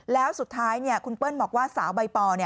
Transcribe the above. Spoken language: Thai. แล้วสุดท้ายคุณเปิ้ลบอกว่าสาวใบปอ